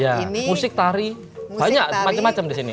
ya musik tari banyak macam macam di sini